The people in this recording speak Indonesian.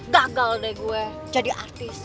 gagal deh gue jadi artis